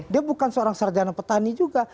dia bukan seorang sarjana petani juga